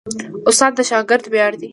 استاد د شاګرد ویاړ دی.